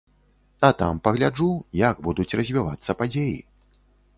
А там пагляджу, як будуць развівацца падзеі.